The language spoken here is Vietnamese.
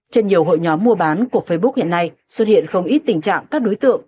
trên nhiều hội nhóm mua bán của facebook hiện nay xuất hiện không ít tình trạng các đối tượng